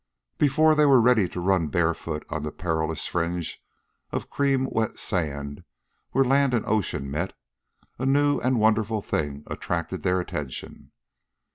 But before they were ready to run barefooted on the perilous fringe of cream wet sand where land and ocean met, a new and wonderful thing attracted their attention.